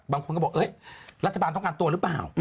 บางคนก็บอกรัฐบาลต้องการตัวหรือเปล่า